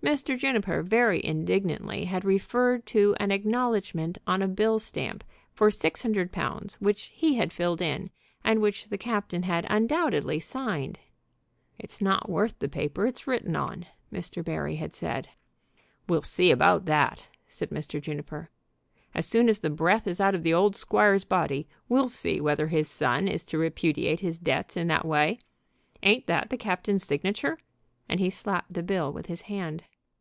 Mr. Juniper very indignantly had referred to an acknowledgment on a bill stamp for six hundred pounds which he had filled in, and which the captain had undoubtedly signed. "It's not worth the paper it's written on," Mr. Barry had said. "We'll see about that," said Mr. Juniper. "As soon as the breath is out of the old squire's body we'll see whether his son is to repudiate his debts in that way. Ain't that the captain's signature?" and he slapped the bill with his hand.